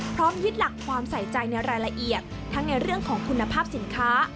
ยึดหลักความใส่ใจในรายละเอียดทั้งในเรื่องของคุณภาพสินค้า